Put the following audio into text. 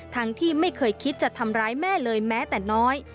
ที่ไม่เคยคิดจะทำร้ายแม่เลยแม้แต่น้อย